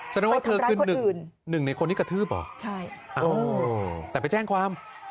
แสดงว่าเธอคือหนึ่งในคนที่กระทืบเหรอใช่แต่ไปแจ้งความ